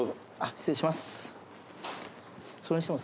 失礼します。